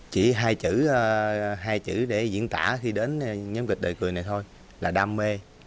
chỉ hai chữ để diễn tả khi đến nhóm kịch đời cười này thôi là đam mê